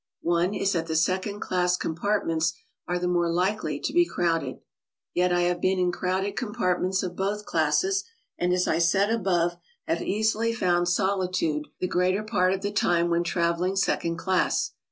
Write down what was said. One is that the second class compartments are the more likely to be crowded. Yet I have been in crowded compartments of both classes, and as I said above, have easily found solitude the greater part of the time when traveling second class.